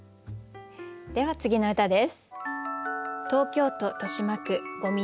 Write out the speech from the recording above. では次の歌です。